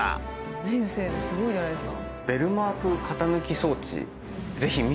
５年生ですごいじゃないですか。